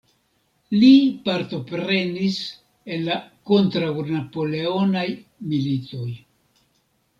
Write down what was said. Li partoprenis en la kontraŭ-Napoleonaj militoj.